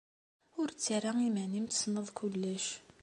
Ur ttarra iman-im tessneḍ kullec!